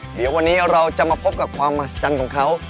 เดี๋ยววันนี้เราจะมาพบกับความมหัศจรรย์ของเขา